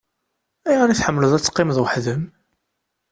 Ayɣer i tḥemmleḍ ad teqqimeḍ weḥd-m?